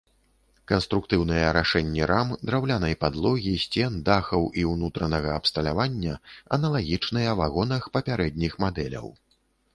Канструктыўныя рашэнні рам, драўлянай падлогі, сцен, дахаў і ўнутранага абсталявання аналагічныя вагонах папярэдніх мадэляў.